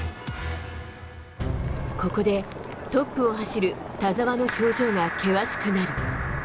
ここで、トップを走る田澤の表情が険しくなる。